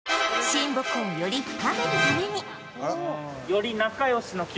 親睦をより深めるために